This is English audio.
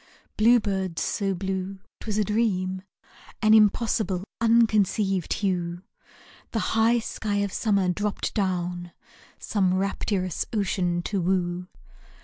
Blue birds so blue, 't was a dream, An impossible, unconceived hue, The high sky of summer dropped down Some rapturous ocean to woo.